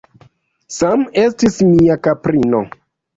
Sam estis mia kaprino.